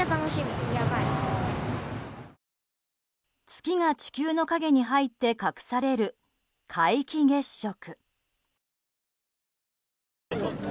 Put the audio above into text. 月が地球の影に入って隠される皆既月食。